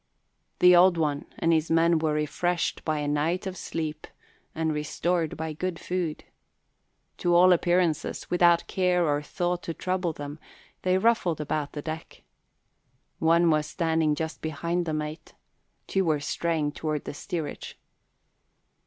The Old One and his men were refreshed by a night of sleep and restored by good food. To all appearances, without care or thought to trouble them, they ruffled about the deck. One was standing just behind the mate; two were straying toward the steerage.